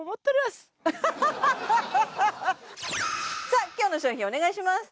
さあ今日の商品お願いします